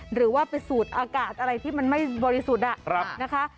หรือว่าไปสูดอากาศอะไรที่มันไม่บริสุทธิ์นะคะ